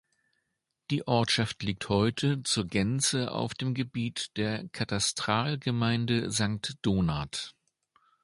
Die Ortschaft liegt heute zur Gänze auf dem Gebiet der Katastralgemeinde Sankt Donat.